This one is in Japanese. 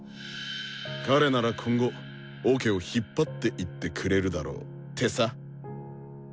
「彼なら今後オケを引っ張っていってくれるだろう」ってさ。